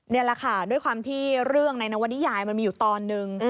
นี่แหละค่ะด้วยความที่เรื่องในนวนิยายมันมีอยู่ตอนนึง